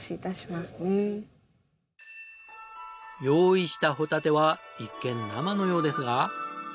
用意したホタテは一見生のようですが。